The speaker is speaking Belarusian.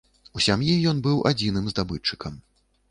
У сям'і ён быў адзіным здабытчыкам.